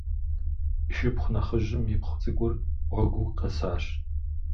И шыпхъу нэхъыжьым ипхъу цӏыкӏур гъуэгыу къэсащ.